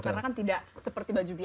karena kan tidak seperti baju biasa